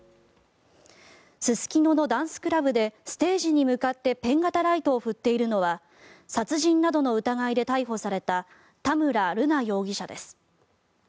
すすきののダンスクラブでステージに向かってペン型ライトを振っているのは殺人などの疑いで逮捕された田村瑠奈容疑者です。